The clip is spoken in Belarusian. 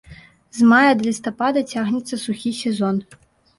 З мая да лістапада цягнецца сухі сезон.